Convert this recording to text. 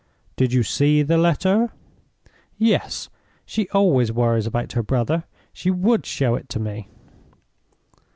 "Did you see the letter?" "Yes. She always worries about her brother—she would show it to me."